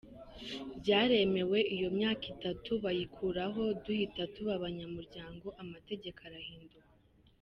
Byaremewe iyo myaka itatu bayikuraho, duhita tuba abanyamuryango, amategeko arahinduka.